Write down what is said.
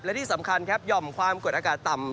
และที่สำคัญครับหย่อมความกดอากาศต่ำ